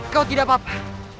kau tidak apa apa